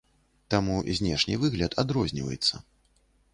Таму знешні выгляд адрозніваецца.